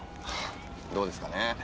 どうですかね。